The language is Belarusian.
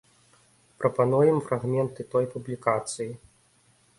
Прапануем фрагменты той публікацыі.